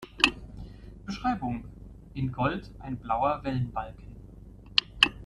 Beschreibung: In Gold ein blauer Wellenbalken.